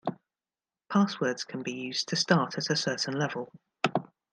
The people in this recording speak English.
Passwords can be used to start at a certain level.